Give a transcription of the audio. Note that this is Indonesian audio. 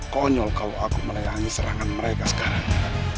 konyol kalau aku menayangi serangan mereka sekarang